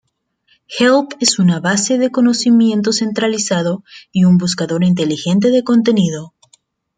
Help es una base de conocimiento centralizado y un buscador inteligente de contenido.